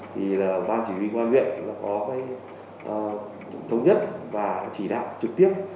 thì ban chỉ huy ngoan nguyện có phải thống nhất và chỉ đạo trực tiếp